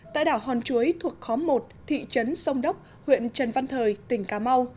tại đảo hòn chuối thuộc khóm một thị trấn sông đốc huyện trần văn thời tỉnh cà mau